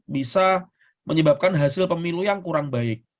bisa menyebabkan hasil pemilu yang kurang baik